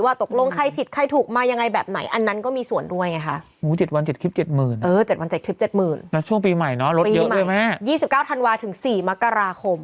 มันต้องแบ่งส่วนนึงมานะครับ